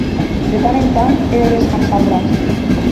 De tant en tant he de descansar el braç.